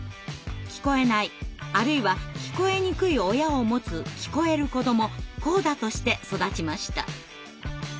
聞こえないあるいは聞こえにくい親を持つ聞こえる子ども「コーダ」として育ちました。